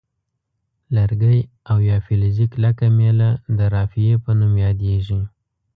لرګی او یا فلزي کلکه میله د رافعې په نوم یادیږي.